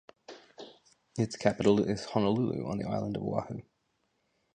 Its capital is Honolulu on the island of Oahu.